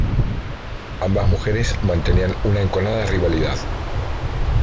Ambas mujeres mantenían una enconada rivalidad.